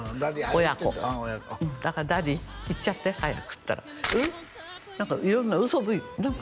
親子「だからダディ行っちゃって早く」って言ったら「えっ」何か色んな嘘何か